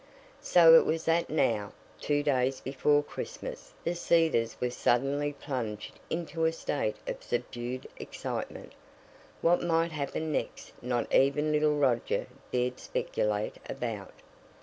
So it was that now, two days before Christmas, The Cedars was suddenly plunged into a state of subdued excitement. What might happen next not even little Roger dared speculate about.